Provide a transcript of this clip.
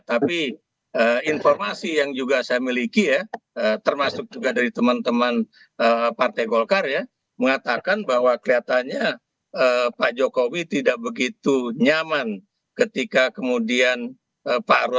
tapi informasi yang juga saya miliki ya termasuk juga dari teman teman partai golkar ya mengatakan bahwa kelihatannya pak jokowi tidak begitu nyaman ketika kemudian pak rudi